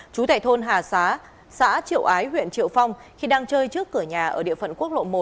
chú thệ thôn hà xá xã triệu ái huyện triệu phong khi đang chơi trước cửa nhà ở địa phận quốc lộ một